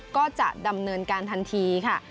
ก็จะดำเนินการทันทีค่ะ